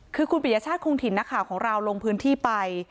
คือคุณปิยชาติคงถิ่นนักข่าวของเราลงพื้นที่ไป